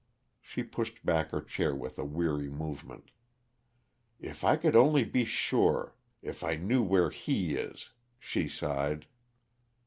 She pushed back her hair with a weary movement. "If I could only be sure if I knew where he is," she sighed.